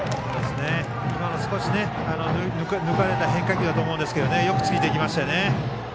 今の、少し抜かれた変化球だと思うんですがよくついていきましたよね。